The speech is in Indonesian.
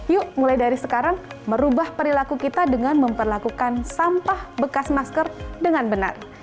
yuk mulai dari sekarang merubah perilaku kita dengan memperlakukan sampah bekas masker dengan benar